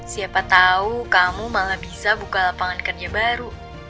siapa tahu kamu malah bisa buka lapangan kerja baru